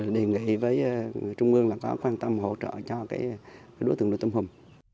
chỉ với trung ương là có quan tâm hỗ trợ cho cái đối tượng đối tâm hùm